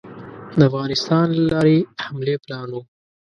د افغانستان له لارې حملې پلان وو.